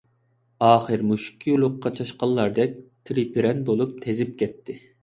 ئاخىر مۈشۈككە يولۇققان چاشقانلاردەك تىرىپىرەن بولۇپ تېزىپ كەتتى.